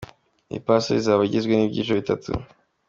Iyi passport izaba igizwe n’ibyiciro bitatu.